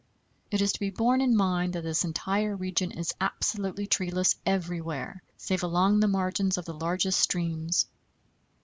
It is to be borne in mind that this entire region is absolutely treeless everywhere save along the margins of the largest streams.